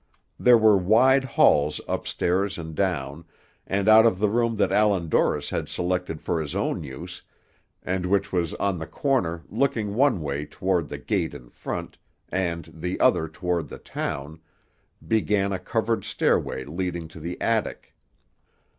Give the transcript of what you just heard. There were wide halls up stairs and down, and out of the room that Allan Dorris had selected for his own use, and which was on the corner looking one way toward the gate in front, and the other toward the town, began a covered stairway leading to the attic.